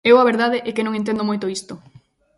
Eu a verdade é que non entendo moito isto.